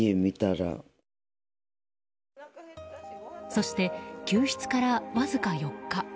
そして、救出からわずか４日。